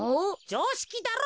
じょうしきだろ？